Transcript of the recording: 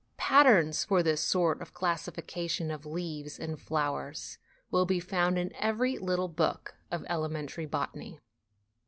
Patterns for this sort of classification of leaves and flowers will be found in every little book of elementary botany.